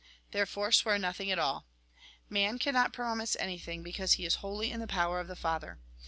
Therefore, swear not at all. Man cannot pro mise anything, because he is wholly in the power of the Father.